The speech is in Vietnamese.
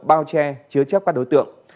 bao che chứa chép các đối tượng